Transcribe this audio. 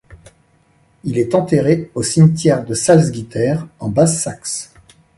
Il est enterré au cimetière de Salzgitter, en Basse-Saxe.